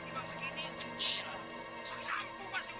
tiba tiba segini kecil